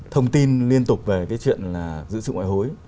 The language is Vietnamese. thông tin liên tục về cái chuyện là dự trữ ngoại hối